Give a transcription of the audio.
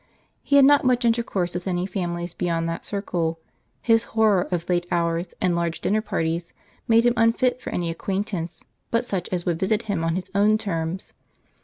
He had not much intercourse with any families beyond that circle; his horror of late hours, and large dinner parties, made him unfit for any acquaintance but such as would visit him on his own terms.